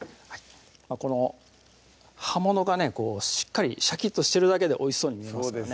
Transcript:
この葉物がねしっかりシャキッとしてるだけでおいしそうに見えますよね